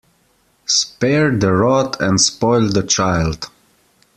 Spare the rod and spoil the child.